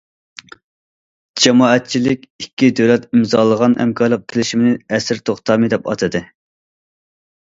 جامائەتچىلىك ئىككى دۆلەت ئىمزالىغان ھەمكارلىق كېلىشىمىنى‹‹ ئەسىر توختامى›› دەپ ئاتىدى.